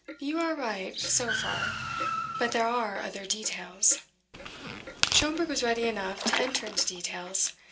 You are right, so far; but there are other details." Schomberg was ready enough to enter into details.